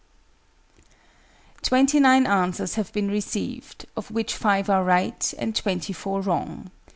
Twenty nine answers have been received, of which five are right, and twenty four wrong.